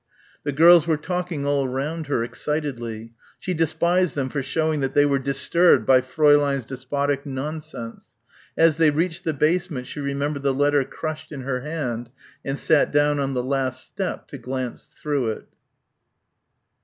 The girls were talking all round her, excitedly. She despised them for showing that they were disturbed by Fräulein's despotic nonsense. As they reached the basement she remembered the letter crushed in her hand and sat down on the last step to glance through it.